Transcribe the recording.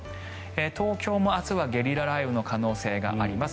東京も明日はゲリラ雷雨の可能性があります。